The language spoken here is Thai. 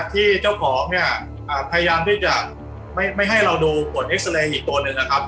ที่เจ้าของเนี่ยพยายามที่จะไม่ให้เราดูผลเอ็กซาเรย์อีกตัวหนึ่งนะครับ